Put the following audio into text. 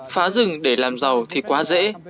phá rừng để làm giàu thì quá dễ